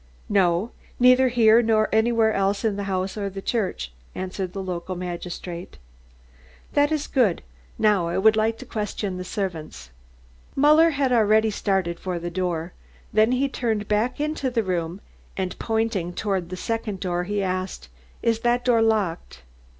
"No neither here nor anywhere else in the house or the church," answered the local magistrate. "That is good. Now I would like to question the servants." Muller had already started for the door, then he turned back into the room and pointing toward the second door he asked: "Is that door locked?"